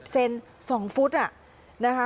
๖๐เซนต์๒ฟุตอ่ะนะคะ